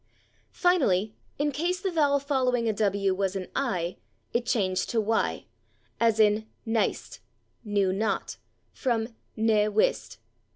Finally, in case the vowel following a /w/ was an /i/, it changed to /y/, as in /nyste/ (=/knew not/), from /ne wiste